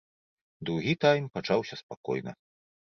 Другі тайм пачаўся спакойна.